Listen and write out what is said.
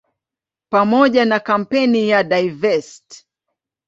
Pamoja na kampeni ya "Divest!